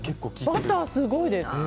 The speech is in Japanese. バターすごいです。